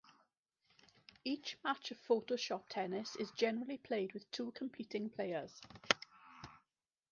Each match of Photoshop tennis is generally played with two competing players.